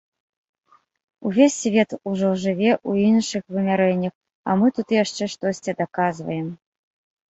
Увесь свет ужо жыве ў іншых вымярэннях, а мы тут яшчэ штосьці даказваем.